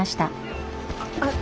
あっ！